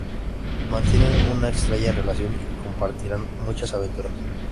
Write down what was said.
Mantienen una extraña relación y compartirán muchas aventuras.